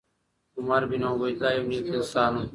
عمر بن عبیدالله یو نېک انسان و.